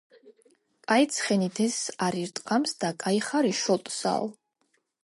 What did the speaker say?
კაი ცხენი დეზს არ ირტყამს და კაი ხარი - შოლტსაო